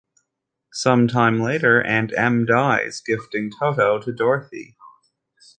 Sometime later, Aunt Em dies, gifting Toto to Dorothy.